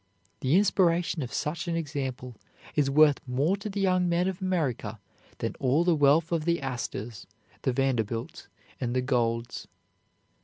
The inspiration of such an example is worth more to the young men of America than all the wealth of the Astors, the Vanderbilts, and the Goulds.